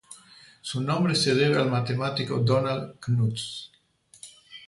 Su nombre se debe al matemático Donald Knuth.